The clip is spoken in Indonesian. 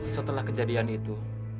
setelah kejadian itu